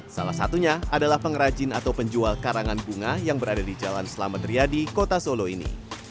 salah satunya adalah pengrajin atau penjual karangan bunga yang berada di jalan selamat riyadi kota solo ini